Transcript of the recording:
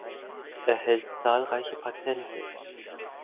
Er hält zahlreiche Patente.